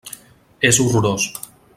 És horrorós.